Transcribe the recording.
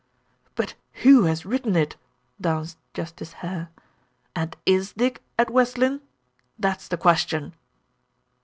"But who has written it?" danced Justice Hare. "And is Dick at West Lynne that's the question."